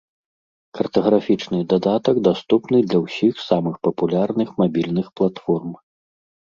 Картаграфічны дадатак даступны для ўсіх самых папулярных мабільных платформ.